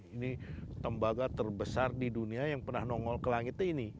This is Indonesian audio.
ini tembaga terbesar di dunia yang pernah nongol ke langitnya ini